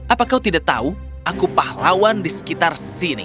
apa kau tidak tahu aku pahlawan di sekitar sini